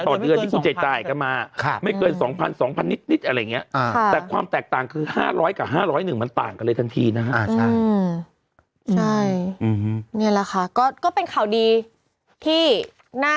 เพราะคนที่เปิดเยอะ